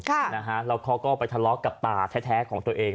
แล้วเขาก็ไปทะเลาะกับตาแท้ของตัวเอง